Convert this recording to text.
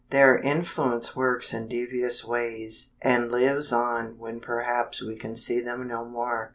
Their influence works in devious ways and lives on when perhaps we can see them no more.